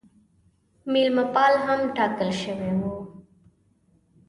مېلمه پال هم ټاکل سوی وو.